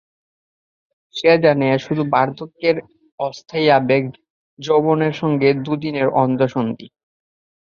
সে জানে এ শুধু বার্ধক্যের অস্থায়ী আবেগ, যৌবনের সঙ্গে দুদিনের অন্ধ সন্ধি।